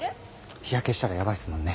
日焼けしたらやばいっすもんね。